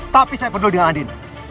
tapi saya peduli dengan andin